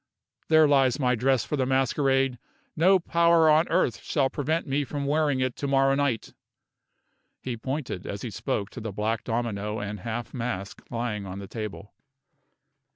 There lies my dress for the masquerade; no power on earth shall prevent me from wearing it to morrow night!" He pointed, as he spoke, to the black domino and half mask lying on the table.